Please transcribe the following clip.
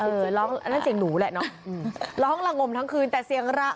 เสียงร้องอันนั้นเสียงหนูแหละเนอะร้องละงมทั้งคืนแต่เสียงระ